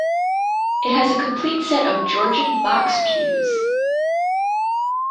It has a complete set of Georgian box pews.